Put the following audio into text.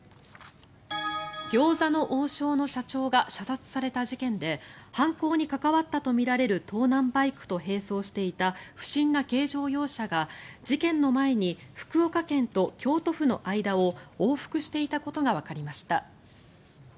餃子の王将の社長が射殺された事件で犯行に関わったとみられる盗難バイクと並走していた不審な軽乗用車が事件の前に福岡県と京都府の間を往復していたことがわかりました。